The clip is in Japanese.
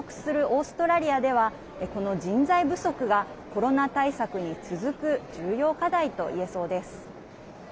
オーストラリアではこの人材不足がコロナ対策に続く重要課題といえそうです。